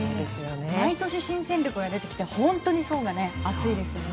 毎年、新戦力が出てきて本当に層が厚いですよね。